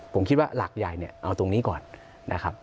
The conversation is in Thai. ผมคิดว่าหลักใหญ่เนี่ยเอาตรงนี้ก่อนนะครับ